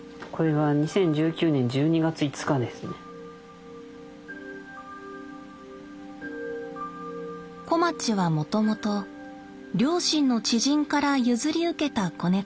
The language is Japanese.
これが小町はもともと両親の知人から譲り受けた子猫でした。